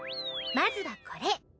まずはこれ！